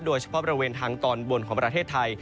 โดยเฉพาะบริเวณทางตอนบนของประเทศไทย